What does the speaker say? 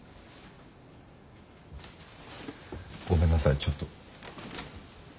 ごめんなさいちょっと。